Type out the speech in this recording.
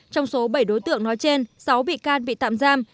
trong số bảy đối tượng nói trên sáu bị can bị tạm giam